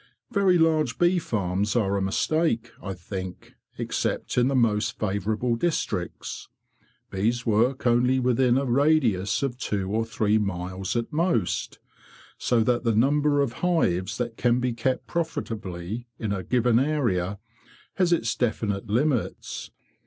Very large bee farms are a mistake, I think, except in the most favourable districts. Bees work only within a radius of two or three miles at most, so that the number of hives that can be kept profitably in a given area has its definite limits.